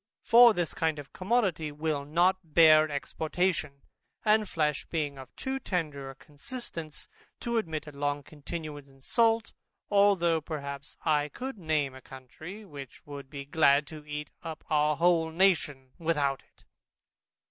For this kind of commodity will not bear exportation, and flesh being of too tender a consistence, to admit a long continuance in salt, although perhaps I could name a country, which would be glad to eat up our whole nation without it.